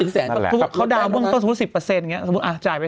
โซ่สวยป่ะ